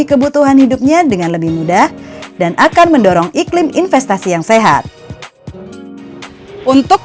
kebutuhan hidupnya dengan lebih mudah dan akan mendorong iklim investasi yang sehat untuk